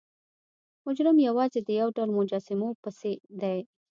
مجرم یوازې د یو ډول مجسمو پسې دی.